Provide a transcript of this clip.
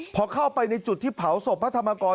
พอเข้าไปในจุดที่เผาศพพระธรรมกร